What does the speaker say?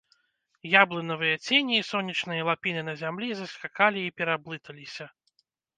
Яблынавыя цені і сонечныя лапіны на зямлі заскакалі і пераблыталіся.